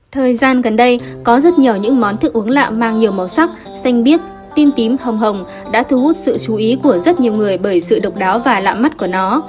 thời gian gần đây có rất nhiều những món thức uống lạ mang nhiều màu sắc xanh biết tím tím hồng hồng đã thu hút sự chú ý của rất nhiều người bởi sự độc đáo và lạ mắt của nó